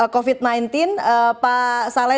covid sembilan belas pak saleh